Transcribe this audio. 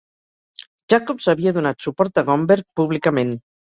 Jacobs havia donat suport a Gomberg públicament.